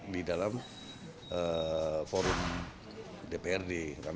di dalam forum dprd